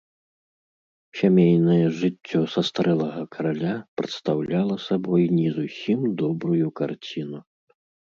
Сямейнае жыццё састарэлага караля прадстаўляла сабой не зусім добрую карціну.